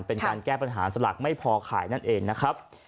เป็นการแก้ปัญหาสลากไม่พอขายนั่นเองนะครับ